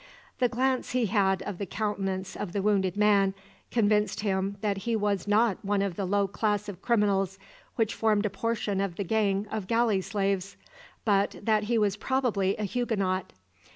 The glance he had of the countenance of the wounded man convinced him that he was not one of the low class of criminals which formed a portion of the gang of galley slaves, but that he was probably a Huguenot.